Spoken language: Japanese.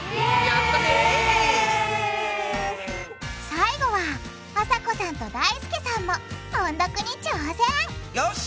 最後はあさこさんとだいすけさんもよし！